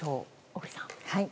小栗さん。